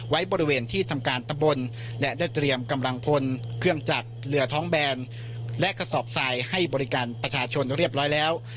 ไว้บริเวณที่ทำการตะบนและได้เตรียมกำลังพลเครื่องจักรเรือท้องแบนและกระสอบทรายให้บริการประชาชนเรียบร้อยแล้ว